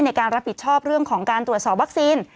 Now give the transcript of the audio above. ในการรับผิดชอบเรื่องของการตรวจสอบวัคซีน